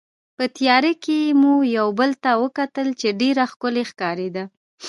په تیارې کې مو یو بل ته وکتل چې ډېره ښکلې ښکارېده.